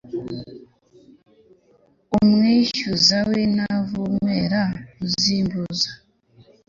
umwishyuza wintavumera uzimbuza